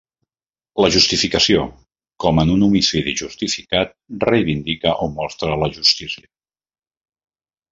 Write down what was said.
La justificació, com en un homicidi justificat, reivindica o mostra la justícia.